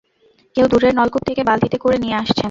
কেউ দূরের নলকূপ থেকে বালতিতে করে নিয়ে আসছেন।